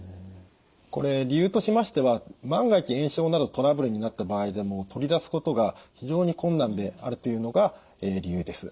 これ理由としましては万が一炎症などトラブルになった場合でも取り出すことが非常に困難であるというのが理由です。